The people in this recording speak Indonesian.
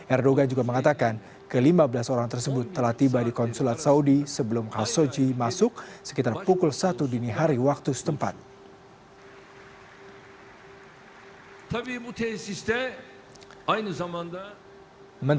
erdogan juga mengatakan ke lima belas orang tersebut telah tiba di konsulat saudi sebelum khashoji masuk sekitar pukul satu dini hari waktu setempat